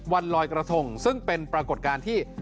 วันลอยกระทงซึ่งเป็นปรากฏการณ์ที่